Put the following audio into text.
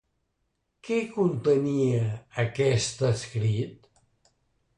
Què contenia aquest escrit?